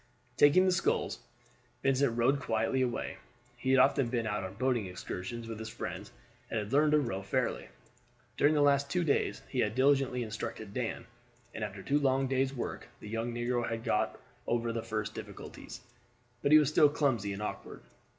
Taking the sculls, Vincent rowed quietly away. He had often been out on boating excursions with his friends, and had learned to row fairly. During the last two days he had diligently instructed Dan, and after two long days' work the young negro had got over the first difficulties, but he was still clumsy and awkward.